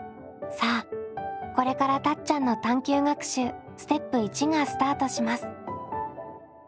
さあこれからたっちゃんの探究学習ステップ①がスタートします。